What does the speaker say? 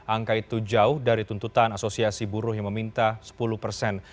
angka itu jauh dari tuntutan asosiasi buruh yang meminta sepuluh persen